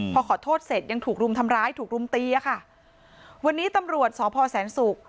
พอขอโทษเสร็จยังถูกรุมทำร้ายถูกรุมตีอะค่ะวันนี้ตำรวจสพแสนศุกร์